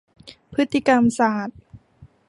พฤติกรรมศาสตร์